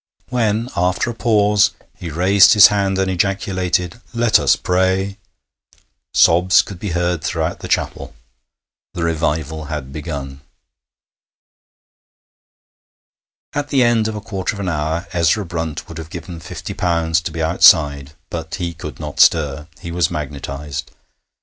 When, after a pause, he raised his hand and ejaculated, 'Let us pray,' sobs could be heard throughout the chapel. The Revival had begun. At the end of a quarter of an hour Ezra Brunt would have given fifty pounds to be outside, but he could not stir; he was magnetized.